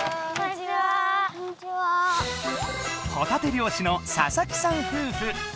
ほたて漁師の佐々木さん夫婦。